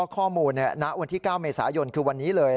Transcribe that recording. ข้อมูลณวันที่๙เมษายนคือวันนี้เลย